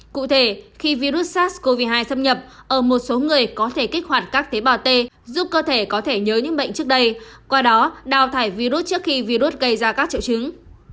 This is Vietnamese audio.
cụ thể khi virus sars cov hai xâm nhập ở một số người có thể kích hoạt các tế bào t giúp cơ thể có thể nhớ những bệnh trước đây qua đó đào thải virus trước khi virus gây ra các triệu chứng